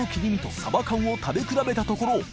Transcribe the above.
サバ缶を食べ比べたところ．